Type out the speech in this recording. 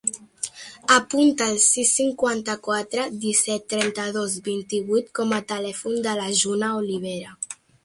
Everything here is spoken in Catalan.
Apunta el sis, cinquanta-quatre, disset, trenta-dos, vint-i-vuit com a telèfon de la Juna Oliveira.